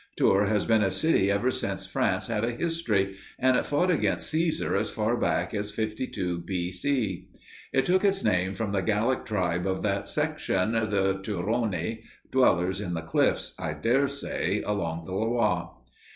Tours has been a city ever since France had a history, and it fought against Cæsar as far far back as 52 B.C. It took its name from the Gallic tribe of that section, the Turoni, dwellers in the cliffs, I dare say, along the Loire.